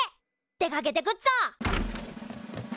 出かけてくっぞ！